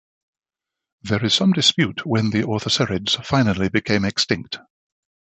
There is some dispute when the orthocerids finally became extinct.